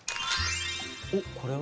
おっこれは？